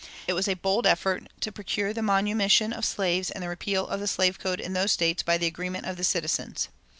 It was a bold effort to procure the manumission of slaves and the repeal of the slave code in those States by the agreement of the citizens.